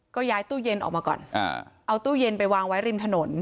ก็ย้ายตู้เย็นออกมาก่อนเอาตู้เย็นไปวางไว้ริมถนน